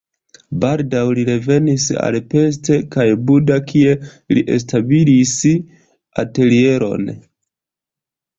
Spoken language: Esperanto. Baldaŭ li revenis al Pest kaj Buda, kie li establis atelieron.